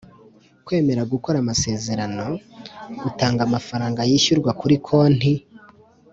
Kwemera gukora amasezerano utanga amafaranga yishyurwa kuri konti